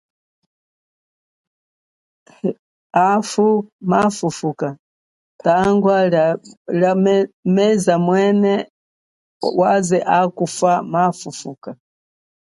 Hafu kana hwima, tangwa meza yesu waze hakufa muhumwene mwena ma fufuka.